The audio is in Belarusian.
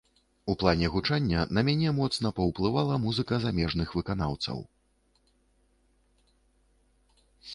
У плане гучання на мяне моцна паўплывала музыка замежных выканаўцаў.